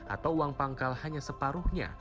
atau uang pangkal hanya separuhnya